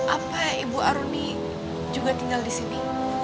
apa ibu aruni juga tinggal disini